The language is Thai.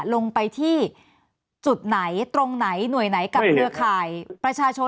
ลงไปที่จุดไหนตรงไหนหน่วยไหนกับเครือข่ายประชาชน